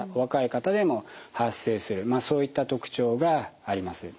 そういった特徴があります。